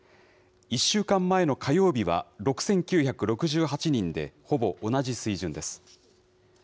１週間前の火曜日は６９６８人で、ほぼ同じ水準です。